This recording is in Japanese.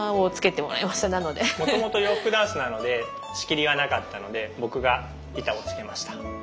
もともと洋服ダンスなので仕切りがなかったので僕が板を付けました。